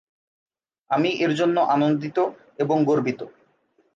আমি এর জন্য আনন্দিত এবং গর্বিত।